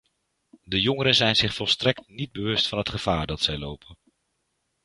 De jongeren zijn zich volstrekt niet bewust van het gevaar dat zij lopen.